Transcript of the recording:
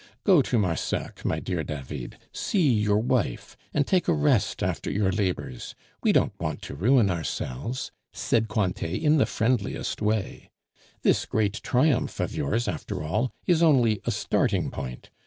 "Go to Marsac, my dear David, see your wife, and take a rest after your labors; we don't want to ruin ourselves," said Cointet in the friendliest way. "This great triumph of yours, after all, is only a starting point.